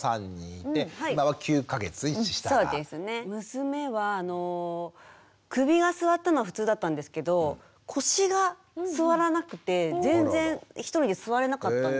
娘は首がすわったのは普通だったんですけど腰がすわらなくて全然一人で座れなかったんですよ。